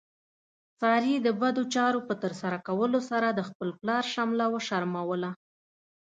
سارې د بدو چارو په ترسره کولو سره د خپل پلار شمله وشرموله.